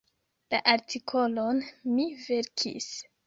La artikolon mi verkis.